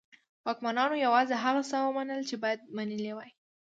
واکمنانو یوازې هغه څه ومنل چې باید منلي وای.